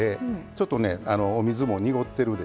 ちょっとねお水も濁ってるでしょ。